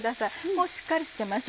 もうしっかりしてます。